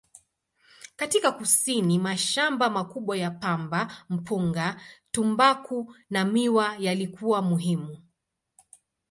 Katika kusini, mashamba makubwa ya pamba, mpunga, tumbaku na miwa yalikuwa muhimu.